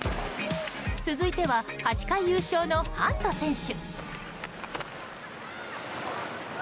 続いては８回優勝のハント選手。